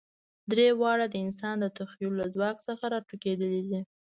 درې واړه د انسان د تخیل له ځواک څخه راټوکېدلي.